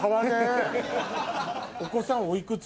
お子さんおいくつ？